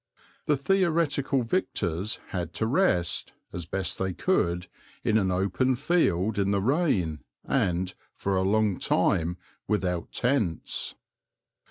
The theoretical victors had to rest, as best they could, in an open field in the rain and, for a long time, without tents.